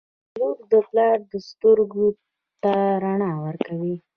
• لور د پلار سترګو ته رڼا ورکوي.